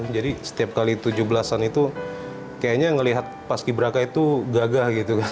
jadi setiap kali tujuh belas an itu kayaknya ngelihat paski beraka itu gagah gitu